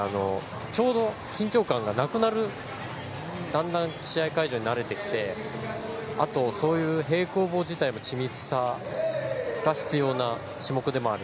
ちょうど緊張感がなくなるだんだんと試合会場に慣れてきてあと平行棒は緻密さが必要な種目でもある。